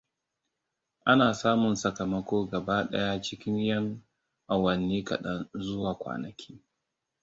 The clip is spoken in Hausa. Ana samun sakamako gaba ɗaya cikin 'yan awanni kaɗan zuwa kwanaki.